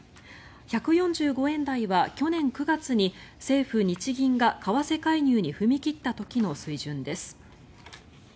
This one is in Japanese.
１４５円台は去年９月に政府日銀が為替介入に踏み切った時の水準です。